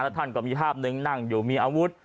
ท่านก็มีภาพหนึ่งนั่งอยู่มีอาวุธ